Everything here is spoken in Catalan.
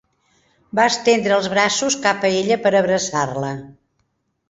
Va estendre els braços cap a ella per abraçar-la.